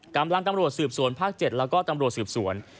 กำลังตำรวจสืบสวนภาคเจ็ดแล้วก็ตำรวจสืบสวน